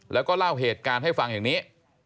แล้วก็เล่าเหตุการณ์ให้ฟังอย่างนี้